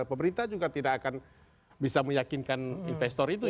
pemerintah juga tidak akan bisa meyakinkan investor itu